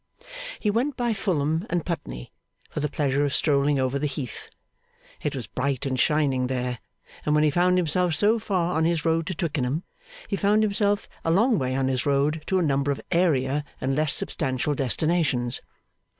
He went by Fulham and Putney, for the pleasure of strolling over the heath. It was bright and shining there; and when he found himself so far on his road to Twickenham, he found himself a long way on his road to a number of airier and less substantial destinations.